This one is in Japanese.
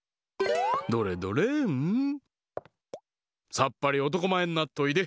さっぱりおとこまえになっといで！